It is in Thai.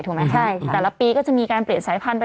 แต่ละปีก็จะมีการเปลี่ยนสายพันธุไป